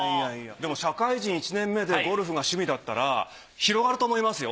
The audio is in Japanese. でも社会人１年目でゴルフが趣味だったら広がると思いますよ。